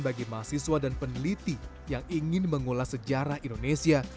bagi mahasiswa dan peneliti yang ingin mengulas sejarah indonesia